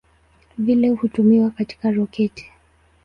Vile hutumiwa katika roketi.